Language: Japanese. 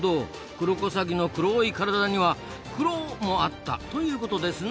クロコサギの黒い体にはクロもあったということですな。